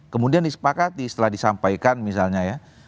kemudian disepakati setelah disampaikan misalnya ya